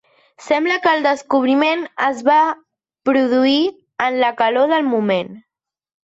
Sembla que el descobriment es va produir en la calor del moment.